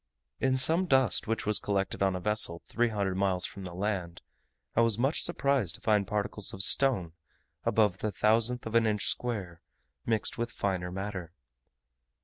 In some dust which was collected on a vessel three hundred miles from the land, I was much surprised to find particles of stone above the thousandth of an inch square, mixed with finer matter.